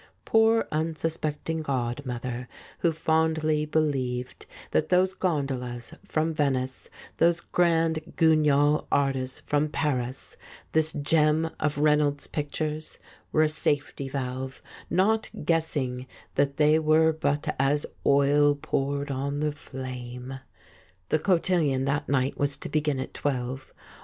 Poor unsuspecting godmother, who fondly believed that those gondolas from Venice, those Grand Guignol artists from Paris, this gem of Reynolds's pictures, were a safety valve, not guessing that they were but as oil poured on the flame ! The cotillion that night was to begin at twelve.